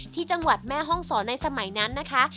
ที่จังหวัดแม่ห้องศรในสมัยนั้นนะคะ